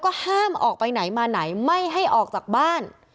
ก็ห้ามออกไปไหนมาไหนไม่ให้ออกจากบ้าน